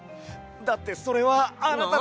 だってそれはあなたの。